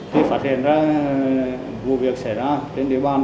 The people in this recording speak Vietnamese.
khi phát hiện ra vụ việc xảy ra trên địa bàn